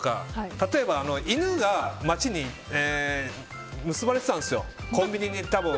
例えば、犬が街に結ばれてたんですよ。